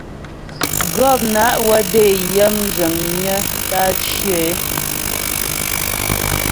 Gɔpna' wə́ dé yə mzhəŋ myə tə́ á cyə é.